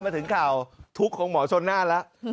มาถึงข่าวทุกของหมอชณละ